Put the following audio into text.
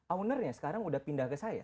ownernya sekarang udah pindah ke saya